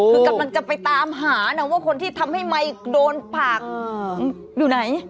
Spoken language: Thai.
คือกำลังจะไปตามหานะว่าคนที่ทำให้ไมค์โดนผักอยู่ไหน